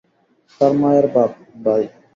তার মায়রে বাপ, ভাই।